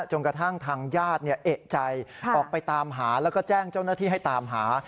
กระทั่งทางญาติเอกใจออกไปตามหาแล้วก็แจ้งเจ้าหน้าที่ให้ตามหา